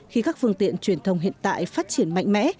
khi các phương tiện truyền thông hiện tại phát triển mạnh mẽ